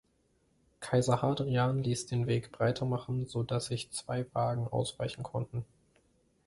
Kaiser Hadrian ließ den Weg breiter machen, so dass sich zwei Wagen ausweichen konnten.